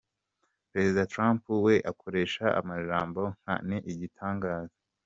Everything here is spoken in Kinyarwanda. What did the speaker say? Perezida Trump wewe akoresha amajambo nka 'ni Igitangaza'.